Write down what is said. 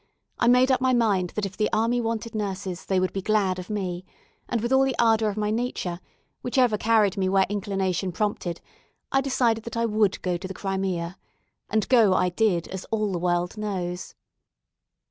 I made up my mind that if the army wanted nurses, they would be glad of me, and with all the ardour of my nature, which ever carried me where inclination prompted, I decided that I would go to the Crimea; and go I did, as all the world knows.